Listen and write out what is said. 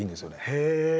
へえ！